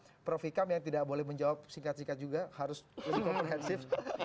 saya mau tanya ke prof vikam yang tidak boleh menjawab singkat singkat juga harus lebih kompetensif